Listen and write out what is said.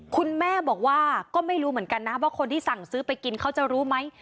คุณแม่บอกว่าก็ไม่รู้เหมือนกันนะว่าคนที่สั่งซื้อไปกินเขาจะรู้ไหม